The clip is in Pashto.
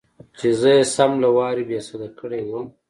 چې زه يې سم له وارې بېسده کړى وم.